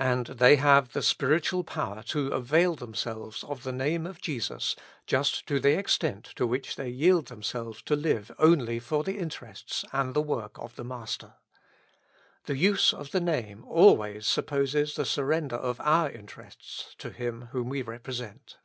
And they have the spiritual power to avail themselves of the Name of Jesus just to the extent to which they yield them selves to live only for the interests and the work of the Master. The use of the Name always supposes the surrender of our interests to Him whom we represent.